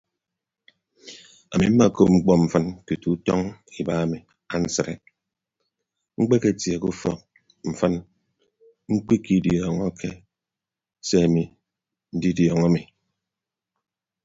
Ami mmekop mkpọ mfịn tutu utọñ iba emi ansịde mkpeketie ke ufọk mfịn mkpediọọñọke se ami ndidiọọñọ ami.